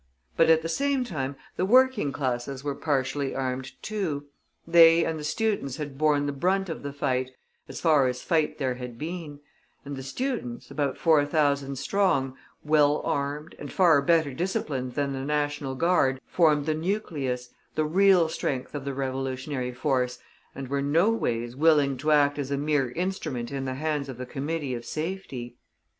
But, at the same time, the working classes were partially armed too; they and the students had borne the brunt of the fight, as far as fight there had been; and the students, about 4,000 strong, well armed, and far better disciplined than the national guard, formed the nucleus, the real strength of the revolutionary force, and were no ways willing to act as a mere instrument in the hands of the Committee of Safety.